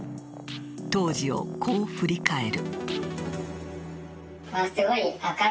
当時を、こう振り返る。